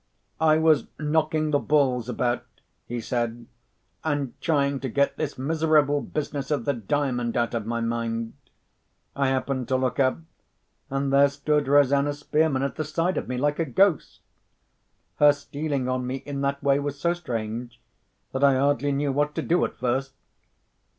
"I was knocking the balls about," he said, "and trying to get this miserable business of the Diamond out of my mind. I happened to look up—and there stood Rosanna Spearman at the side of me, like a ghost! Her stealing on me in that way was so strange, that I hardly knew what to do at first.